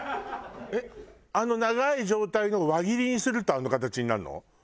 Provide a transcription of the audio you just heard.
えっあの長い状態のを輪切りにするとあの形になるの？